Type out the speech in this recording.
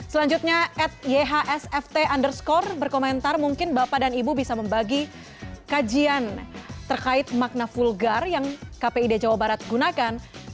selanjutnya at yhsft underscore berkomentar mungkin bapak dan ibu bisa membagi kajian terkait makna vulgar yang kpid jawa barat gunakan